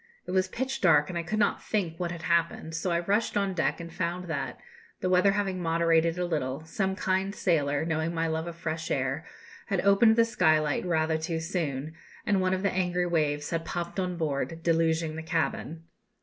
It was pitch dark, and I could not think what had happened; so I rushed on deck, and found that, the weather having moderated a little, some kind sailor, knowing my love of fresh air, had opened the skylight rather too soon, and one of the angry waves had popped on board, deluging the cabin.